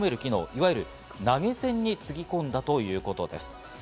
いわゆる投げ銭につぎ込んだということです。